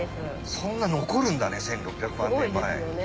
そんな残るんだね１６００万年前。